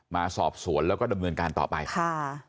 มาสอบสวนแล้วก็ดำเนินการต่อไปค่ะ